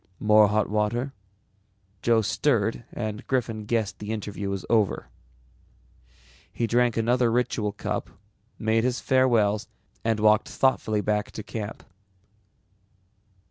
More hot water?" Joe stirred and Griffin guessed the interview was over. He drank another ritual cup, made his farewells and walked thoughtfully back to camp.